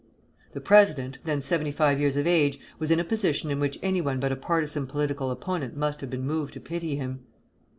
The president, then seventy five years of age, was in a position in which anyone but a partisan political opponent must have been moved to pity him.